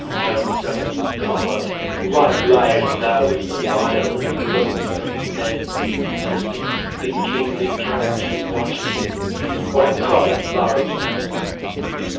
O thou dull god ! why liest thou with the vile, In loathsome beds, and leav'st the kingly couch A watch case, or a common 'larum bell?